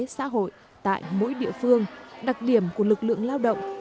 xã hội tại mỗi địa phương đặc điểm của lực lượng lao động